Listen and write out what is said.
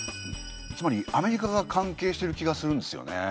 つまりアメリカが関係している気がするんですよね。